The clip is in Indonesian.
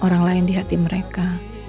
orang lain di hati mereka